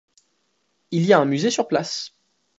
Il y a un musée sur place.